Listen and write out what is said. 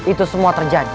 itu semua terjadi